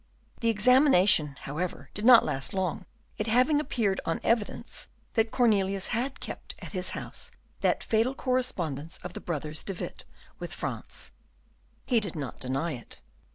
The examination, however, did not last long, it having appeared on evidence that Cornelius had kept at his house that fatal correspondence of the brothers De Witt with France. He did not deny it.